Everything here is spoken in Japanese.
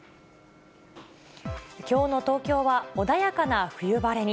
きょうの東京は穏やかな冬晴れに。